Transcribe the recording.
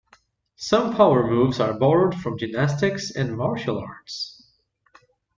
Some power moves are borrowed from gymnastics and martial arts.